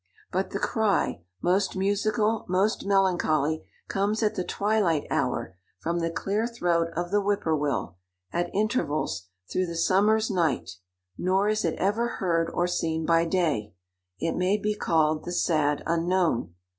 But the cry "most musical, most melancholy," comes at the twilight hour from the clear throat of the whip poor will, at intervals, through the summer's night: nor is it ever heard or seen by day; it may be called the sad unknown.